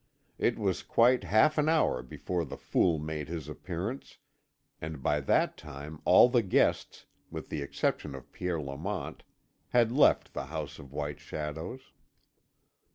It was quite half an hour before the fool made his appearance, and by that time all the guests, with the exception of Pierre Lamont, had left the House of White Shadows.